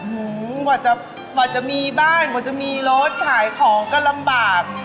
กว่าจะกว่าจะมีบ้านกว่าจะมีรถขายของก็ลำบาก